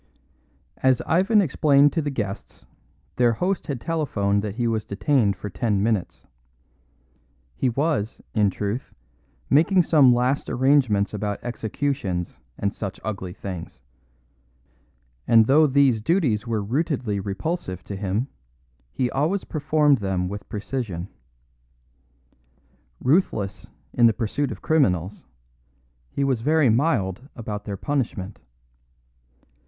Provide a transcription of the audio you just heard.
As Ivan explained to the guests, their host had telephoned that he was detained for ten minutes. He was, in truth, making some last arrangements about executions and such ugly things; and though these duties were rootedly repulsive to him, he always performed them with precision. Ruthless in the pursuit of criminals, he was very mild about their punishment.